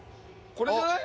これじゃない？